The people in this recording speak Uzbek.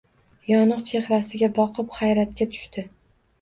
Yoniq chehrasiga boqib, hayratga tushdi.